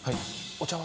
お茶は？